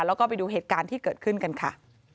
แล้วก็ไปดูเหตุการณ์ที่เกิดขึ้นกันค่ะ